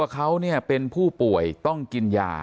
เขาเป็นผู้ป่วยต้องกินยา